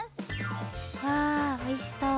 わあおいしそう。